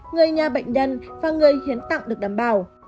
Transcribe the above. người nhà bệnh nhân và người hiến tặng được đảm bảo